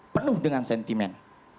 penuh dengan sentimen